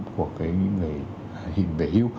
của những người hiền vệ yêu